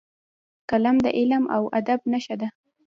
قلم د علم او ادب نښه ده